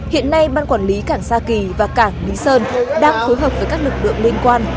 hiện nay ban quản lý cảng sa kỳ và cảng lý sơn đang phối hợp với các lực lượng liên quan